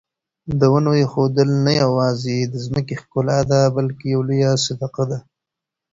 د ونو ایښودل نه یوازې د ځمکې ښکلا ده بلکې یوه لویه صدقه ده.